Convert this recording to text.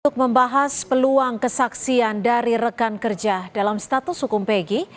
untuk membahas peluang kesaksian dari rekan kerja dalam status hukum pg